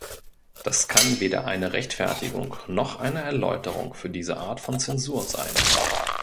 Das kann weder eine Rechtfertigung noch eine Erläuterung für diese Art von Zensur sein.